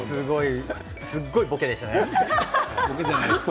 すごいボケでしたね。